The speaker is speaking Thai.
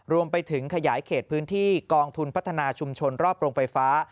รวมไปถึงขยายเขตพื้นที่กองทุนพัฒนาชุมชนรอบโรงไฟฟ้า